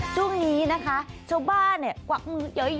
ช่วงนี้นะคะเจ้าบ้านกวากหนึ้อ